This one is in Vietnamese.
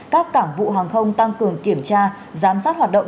các cảng vụ hàng không tăng cường kiểm tra giám sát hoạt động